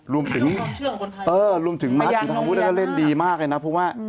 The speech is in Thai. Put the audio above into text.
รวมถึงเออรวมถึงมันอยู่ทางภูเทศเล่นดีมากเลยนะเพราะว่า